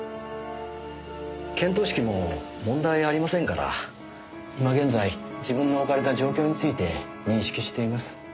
見当識も問題ありませんから今現在自分のおかれた状況について認識しています。